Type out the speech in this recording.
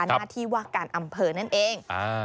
หน้าที่ว่าการอำเภอนั่นเอง